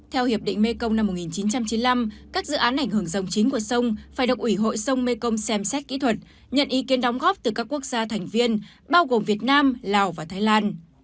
theo hiệp định mekong năm một nghìn chín trăm chín mươi năm các dự án ảnh hưởng dòng chính của sông phải được ủy hội sông mekong xem xét kỹ thuật nhận ý kiến đóng góp từ các quốc gia thành viên bao gồm việt nam lào và thái lan